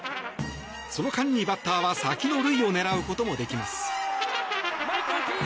その間にバッターは先の塁を狙うこともできます。